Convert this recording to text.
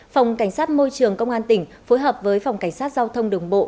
phòng cảnh sát môi trường công an tỉnh phối hợp với phòng cảnh sát giao thông đường bộ